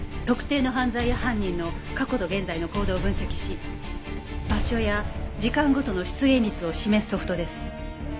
特定の犯罪や犯人の過去と現在の行動を分析し場所や時間ごとの出現率を示すソフトです。